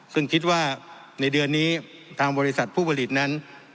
ซึ่งคิดว่าในเดือนนี้ทางบริษัทผู้ผลิตนั้น